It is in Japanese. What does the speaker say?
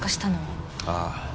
ああ。